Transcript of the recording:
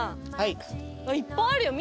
いっぱいあるよ。